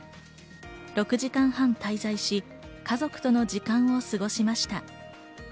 ６時間半滞在し、家族との時間を過ごしました。